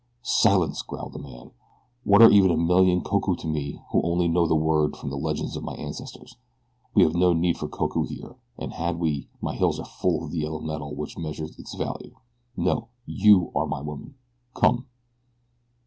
"Silence!" growled the man. "What are even a million koku to me who only know the word from the legends of my ancestors. We have no need for koku here, and had we, my hills are full of the yellow metal which measures its value. No! you are my woman. Come!"